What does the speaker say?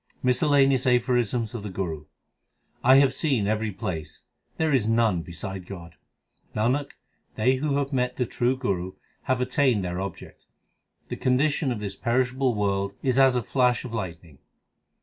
Miscellaneous aphorisms of the Guru : I have seen every place ; there is none beside God. Nanak, they who have met the true Guru, have attained their object. The condition of this perishable world is as a flash of lightning.